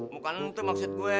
bukan itu maksud gue